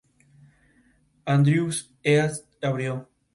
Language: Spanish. Andrews East abrió.